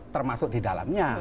termasuk di dalamnya